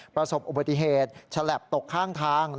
ประสบอุบัติเหตุฉลับตกข้างทาง